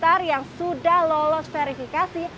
daftar yang sudah lolos verifikasi